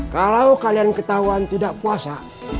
kalau kalian ketahuan tidak puasa